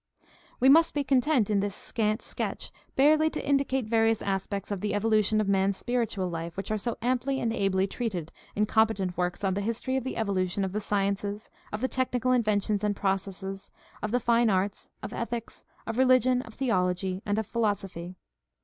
We must be content in this scant sketch barely to indi cate various aspects of the evolution of man's spiritual life which are so amply and ably treated in competent works on the history of the evolution of the sciences, of the techni cal inventions and processes, of the fine arts, of ethics, of religion, of theology, and of philosophy.